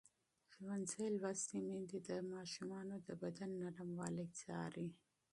ښوونځې لوستې میندې د ماشومانو د بدن نرموالی څاري.